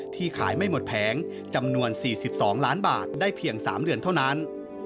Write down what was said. ขายไม่หมดแผงจำนวน๔๒ล้านบาทได้เพียง๓เดือนเท่านั้น